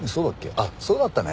あっそうだったね。